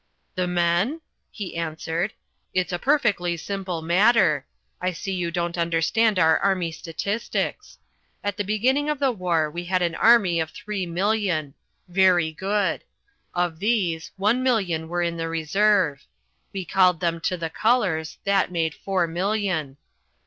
"The men?" he answered. "It's a perfectly simple matter. I see you don't understand our army statistics. At the beginning of the war we had an army of three million. Very good. Of these, one million were in the reserve. We called them to the colours, that made four million.